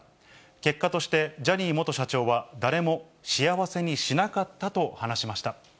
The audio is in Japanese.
結果としてジャニー元社長は、誰も幸せにしなかったと話しました。